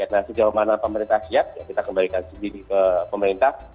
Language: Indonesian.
nah sejauh mana pemerintah siap ya kita kembalikan sendiri ke pemerintah